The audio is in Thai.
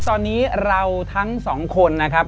ตอนนี้เราทั้งสองคนนะครับ